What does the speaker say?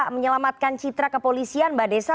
menyelamatkan citra kepolisian mbak desa